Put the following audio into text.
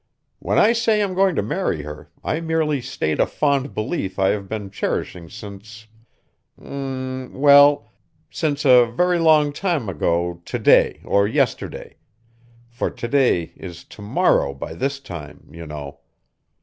"When I say I'm going to marry her I merely state a fond belief I have been cherishing since, m'm well since a very long time ago to day or yesterday, for to day is to morrow by this time, you know.